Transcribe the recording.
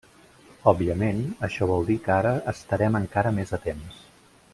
Òbviament, això vol dir que ara estarem encara més atents.